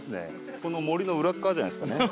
この森の裏側じゃないですかね。